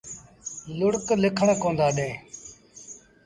لُڙڪ ليٚکڻ ڪوندآ ڏيݩ۔